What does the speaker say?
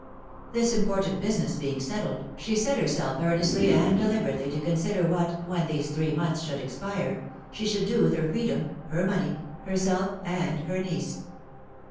This important business being settled, she set herself earnestly and deliberately to consider what, when these three months should be expired, she should do with her freedom, her money, herself, and her niece.